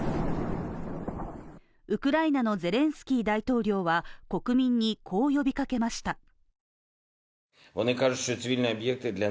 ウクライナのゼレンスキー大統領は国民に、こう呼びかけました。